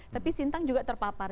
tapi sintang juga terpapar